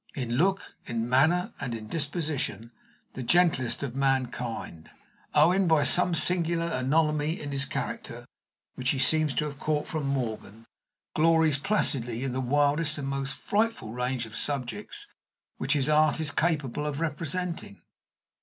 In look, in manner, and in disposition, the gentlest of mankind, Owen, by some singular anomaly in his character, which he seems to have caught from Morgan, glories placidly in the wildest and most frightful range of subjects which his art is capable of representing.